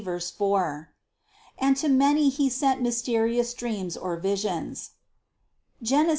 3, 4) and to many He sent mysterious dreams or visions (Genes.